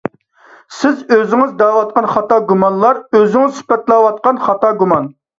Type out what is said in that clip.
سىز ئۆزىڭىز دەۋاتقان خاتا گۇمانلار ئۆزىڭىز سۈپەتلەۋاتقاندەك خاتا گۇمان.